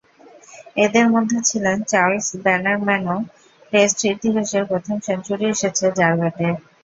এঁদের মধ্যে ছিলেন চার্লস ব্যানারম্যানও, টেস্ট ইতিহাসে প্রথম সেঞ্চুরি এসেছে যাঁর ব্যাটে।